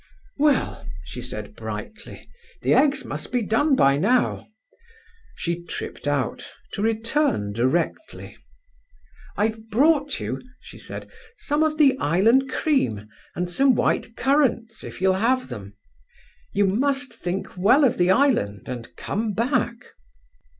"Well," she said brightly, "the eggs must be done by now." She tripped out, to return directly. "I've brought you," she said, "some of the Island cream, and some white currants, if ye'll have them. You must think well of the Island, and come back."